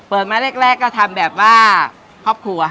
มาแรกก็ทำแบบว่าครอบครัว